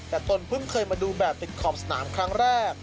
แต่ตนเพิ่งเคยมาดูแบบติดขอบสนามครั้งแรก